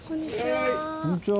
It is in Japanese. こんにちは。